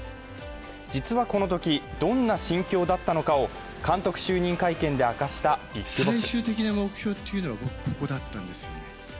実はこのときどんな心境だったのかを監督就任会見で明かしたビッグボス。